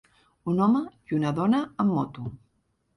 Un home i una dona amb moto.